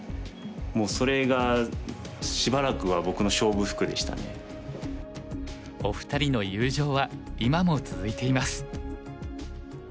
もうそれがお二人の友情は今も続いています。